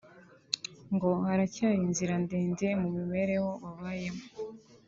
ngo haracyari inzira ndende mu mibereho babayemo